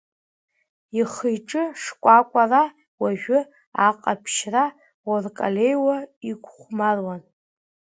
Ихы-иҿы шкәакәара уажәы аҟаԥшьра уаркалеиуа иқәхәмаруан.